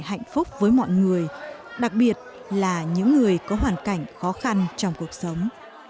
hạnh phúc với mọi người đặc biệt là những người có hoàn cảnh khó khăn trong cuộc sống